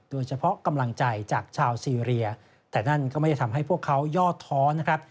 โดยเฉพาะกำลังใจจากชาวซีเรียแต่นั่นก็ไม่ได้ทำให้พวกเขายอดท้อนะครับ